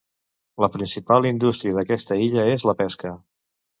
La principal indústria d'aquesta illa és la pesca.